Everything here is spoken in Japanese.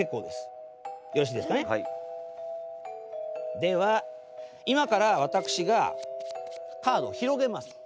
では今から私がカードを広げます。